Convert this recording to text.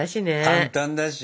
簡単だし。